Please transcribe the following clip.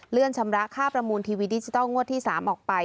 ชำระค่าประมูลทีวีดิจิทัลงวดที่๓ออกไป